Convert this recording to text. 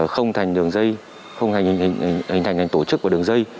không thành đường dây không hình thành thành tổ chức của đường dây